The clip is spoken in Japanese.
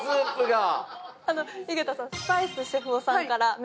井桁さんスパイスシェフ男さんから。